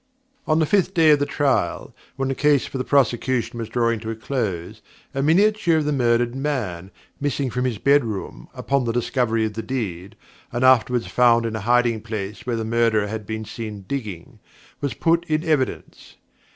On the fifth day of the trial, when the case for the prosecution was drawing to a close, a miniature of the murdered man, missing from his bedroom upon the discovery of the deed, and afterwards found in a hiding place where the Murderer had been seen digging, was put in evidence.